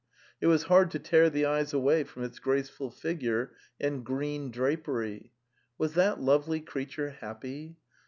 It was hard to tear the eyes away from its graceful figure and green drapery. Was that lovely creature happy?